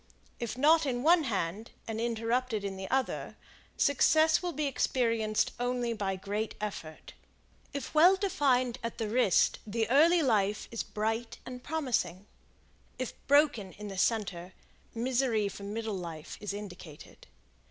If not in one hand and interrupted in the other, success will be experienced only by great effort. If well defined at the wrist the early life is bright and promising; if broken in the center, misery for middle life is indicated.